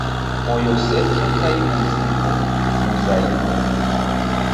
Mojoseco kaj muziko: Muzaiko!